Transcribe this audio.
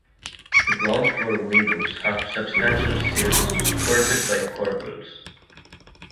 The ground floor windows have substantial sills supported by corbels.